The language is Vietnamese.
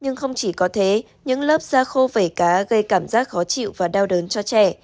nhưng không chỉ có thế những lớp da khô vẩy cá gây cảm giác khó chịu và đau đớn cho trẻ